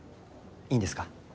いいんですか？